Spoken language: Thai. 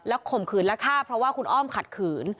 ข่มขืนและฆ่าเพราะว่าคุณอ้อมขัดขืน